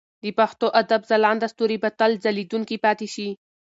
د پښتو ادب ځلانده ستوري به تل ځلېدونکي پاتې شي.